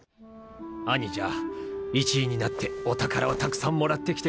兄者１位になってお宝をたくさんもらってきてくださいよ